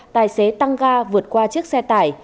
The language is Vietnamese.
tài xế tăng ga vượt qua chiếc xe tải